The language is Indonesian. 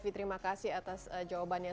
terima kasih atas jawabannya